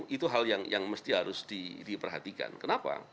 itu hal yang mesti harus diperhatikan kenapa